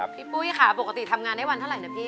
ปุ้ยค่ะปกติทำงานได้วันเท่าไหร่นะพี่